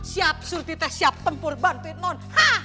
siap surti teh siap tempur bantuin non